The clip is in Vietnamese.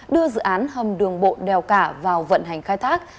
đưa dự án hầm đường bộ đèo cả vào vận hành khai thác